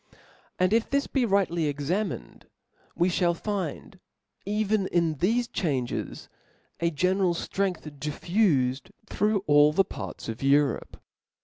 And if this be rightly examined, we (hall find, even in thcfe changes, a general ftrength diffufed through ^11 the parts of Europe.